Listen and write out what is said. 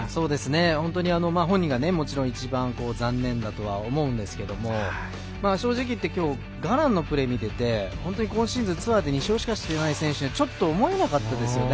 本当に本人が一番残念だと思うんですが正直言って今日、ガランのプレー見てて本当に今シーズンツアーで２勝しかしていない選手にちょっと思えなかったですよね。